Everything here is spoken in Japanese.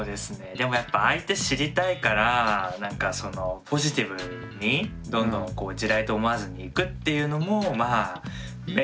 でもやっぱ相手知りたいからポジティブにどんどん地雷と思わずにいくっていうのもめちゃくちゃ分かります。